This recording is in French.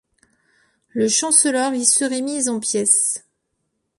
Le Chancellor y serait mis en pièces.